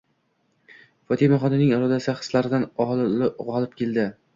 Fotimaxonning irodasi xislaridan g'olib keldi.